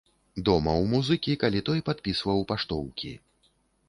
Дома ў музыкі, калі той падпісваў паштоўкі.